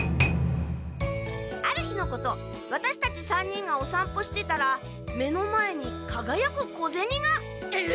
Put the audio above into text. ある日のことワタシたち３人がおさんぽしてたら目の前にかがやく小ゼニが。え！